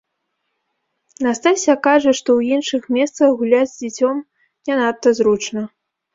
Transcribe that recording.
Настасся кажа, што і ў іншых месцах гуляць з дзіцем не надта зручна.